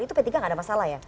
itu p tiga nggak ada masalah ya